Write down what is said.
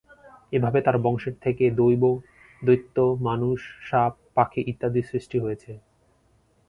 এভাবে তার বংশের থেকে দৈব, দৈত্য, মানুষ, সাপ, পাখি ইত্যাদির সৃষ্টি হয়েছে।